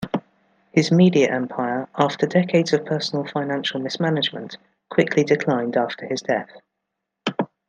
His media empire, after decades of personal financial mismanagement, quickly declined after his death.